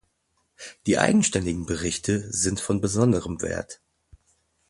Die eigenständigen Berichte sind von besonderem Wert.